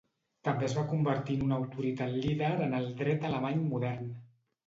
També es va convertir en una autoritat líder en el dret alemany modern.